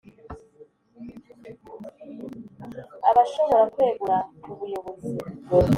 ashobora kwegura kubuyobozi